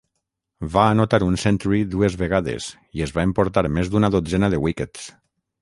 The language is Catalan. Va anotar un 'century' dues vegades i es va emportar més d'una dotzena de 'wickets'.